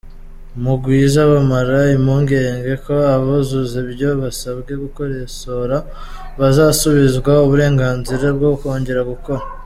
Mugwiza abamara impungenge ko abuzuza ibyo basabwe gukosora, bazasubizwa uburenganzira bwo kongera gukora.